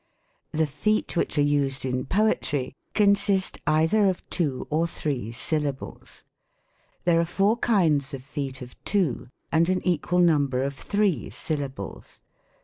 The feet which are used in poetry consist either of two or three syllables. There are four kinds of feet of two, and an equal number of three syllables.